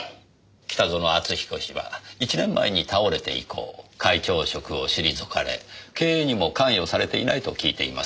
北薗篤彦氏は１年前に倒れて以降会長職を退かれ経営にも関与されていないと聞いています。